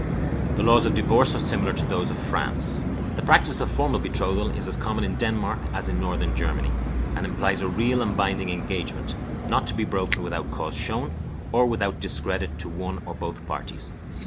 The laws of divorce are similar to those of France. The practice of formal betrothal is as common in Denmark as in Northern Germany, and implies a real and binding engagement, not to be broken without cause shown, or without discredit to one or both parties.